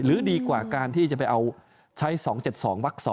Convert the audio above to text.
หรือดีกว่าการที่จะไปเอาใช้๒๗๒วัก๒